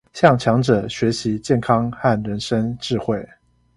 向強者學習健康和人生智慧